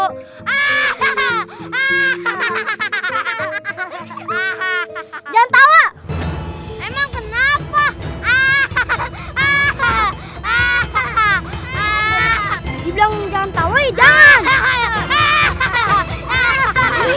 hahaha hahaha hahaha hahaha jangan tahu emang kenapa